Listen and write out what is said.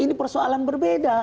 ini persoalan berbeda